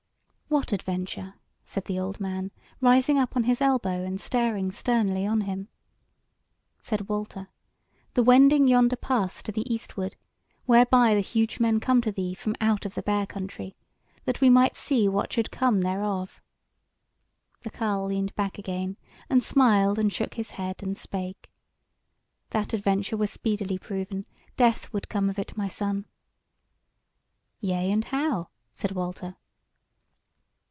"What adventure?" said the old man, rising up on his elbow and staring sternly on him. Said Walter: "The wending yonder pass to the eastward, whereby the huge men come to thee from out of the Bear country; that we might see what should come thereof." The carle leaned back again, and smiled and shook his head, and spake: "That adventure were speedily proven: death would come of it, my son." "Yea, and how?" said Walter.